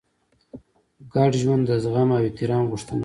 ګډ ژوند د زغم او احترام غوښتنه کوي.